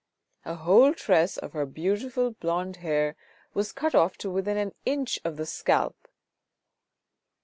A whole tress of her beautiful blonde hair was cut off to within half an inch of the scalp.